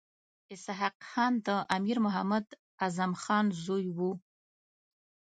اسحق خان د امیر محمد اعظم خان زوی وو.